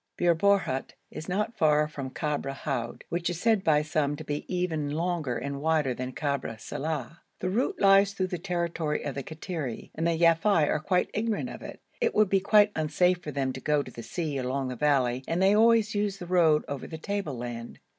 Bir Borhut is not far from Kabr Houd, which is said by some to be even longer and wider than Kabr Saleh. The route lies through the territory of the Kattiri, and the Yafei are quite ignorant of it; it would be quite unsafe for them to go to the sea along the valley, and they always use the road over the tableland.